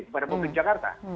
pada publik jakarta